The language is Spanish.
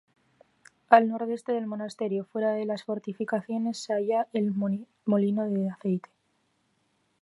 Al nordeste del monasterio, fuera de las fortificaciones se halla el molino de aceite.